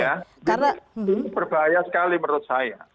ini berbahaya sekali menurut saya